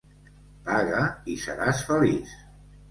Paga i seràs feliç.